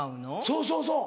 そうそうそう。